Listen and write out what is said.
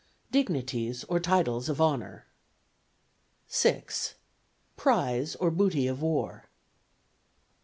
Dignities or titles of honour; "(6.) Prize or booty of war; "(7.)